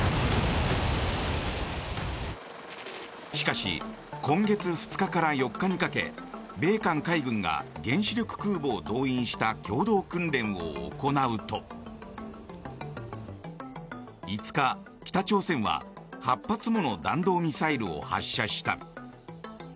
しかし、今月２日から４日にかけ米韓海軍が原子力空母を動員した共同訓練を行うと５日、北朝鮮は８発もの弾道ミサイルを発射した。